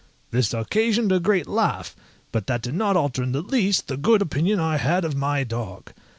This occasioned a general laugh; but that did not alter in the least the good opinion I had of my dog.